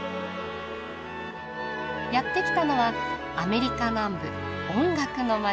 やって来たのはアメリカ南部音楽の街